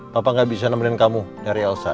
papa gak bisa nemenin kamu dari elsa